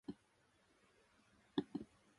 日暮里